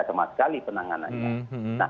sama sekali penanganannya